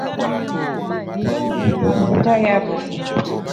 Ihe ndị e ji echeta ya bụ: